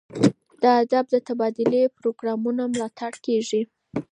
د ادب د تبادلې پروګرامونو ملاتړ کیږي.